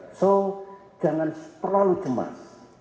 so jangan terlalu cemas